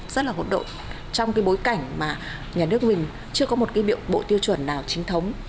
rất là ngộn độ trong cái bối cảnh mà nhà nước mình chưa có một cái bộ tiêu chuẩn nào chính thống